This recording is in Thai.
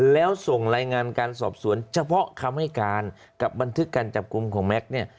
แล้วส่งรายงานการสอบสวนเฉพาะคำให้การกับบันทึกการจับกลุ่มของแม็กซ์เนี่ย